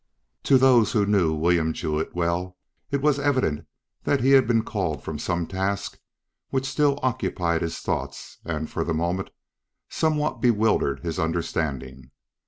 To those who knew William Jewett well, it was evident that he had been called from some task which still occupied his thoughts and for the moment somewhat bewildered his understanding.